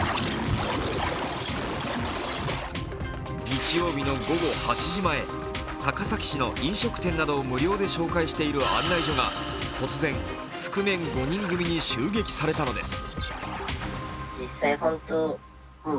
日曜日の午後８時前、高崎市の飲食店などを無料で紹介している案内所が突然、覆面５人組に襲撃されたのです。